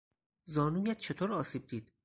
زانویت چطور آسیب دید؟